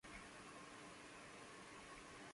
O du lieber Augustin, alles ist hin.